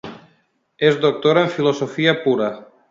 És doctora en filosofia pura.